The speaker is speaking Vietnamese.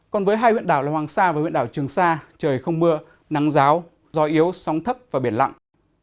còn với hai huyện đảo là hoàng sa và huyện đảo trường sa trời không mưa nắng ráo gió yếu sóng thấp và biển lặng